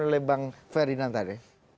oleh bang ferdinand tadi